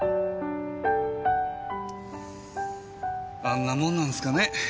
あんなもんなんですかね？